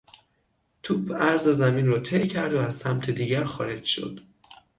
توپ عرض زمین رو طی کرد و از سمت دیگر خارج شد